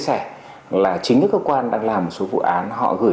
xinacy giới thiệu sự control ơn mọi người